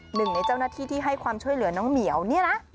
หนึ่งในเจ้าหน้าที่ที่ให้ความช่วยเหลือน้องเหมียวเนี่ยนะ